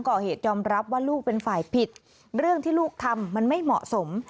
ก่อเหตุยอมรับว่าลูกเป็นฝ่ายผิดเรื่องที่ลูกทำมันไม่เหมาะสม